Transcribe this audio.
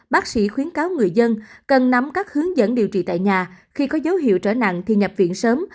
bác sĩ khuyến cáo người dân cần nắm các hướng dẫn điều trị tại nhà khi có dấu hiệu trở nặng thì nhập viện sớm